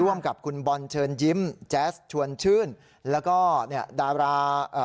ร่วมกับคุณบอลเชิญยิ้มแจ๊สชวนชื่นแล้วก็เนี่ยดาราเอ่อ